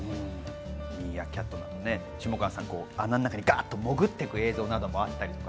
ミーアキャットだとね、下川さん、穴の中に潜っていく映像などもあったりとか。